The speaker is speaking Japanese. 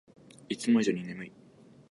いつも以上に眠い